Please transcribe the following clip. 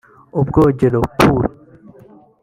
ubwongero (pool)